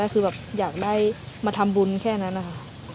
คือแบบอยากได้มาทำบุญแค่นั้นนะคะ